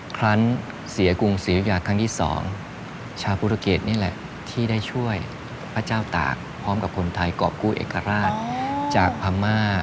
ครั้งเสียกรุงศรียุธยาครั้งที่๒ชาวปุรกิจนี่แหละที่ได้ช่วยพระเจ้าตากพร้อมกับคนไทยกรอบกู้เอกราชจากพม่า